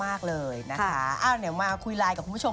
มากเลยนะคะอ้าวเดี๋ยวมาคุยไลน์กับคุณผู้ชม